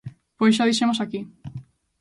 Pois xa o dixemos aquí.